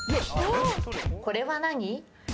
これは何？